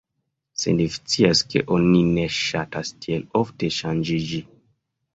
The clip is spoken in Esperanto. Sed vi scias ke oni ne ŝatas tiel ofte ŝanĝiĝi."